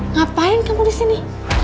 ngapain kamu disini